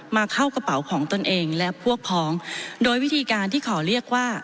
เข้ากระเป๋าของตนเองและพวกพ้องโดยวิธีการที่ขอเรียกว่า